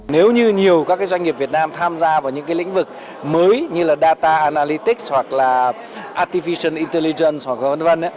nếu như nhiều các doanh nghiệp việt nam tham gia vào những lĩnh vực mới như là data analytics hoặc là artificial intelligence hoặc v v